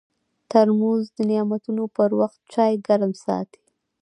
ترموز د نعتونو پر وخت چای ګرم ساتي.